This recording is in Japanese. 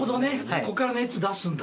こっから熱出すんだ。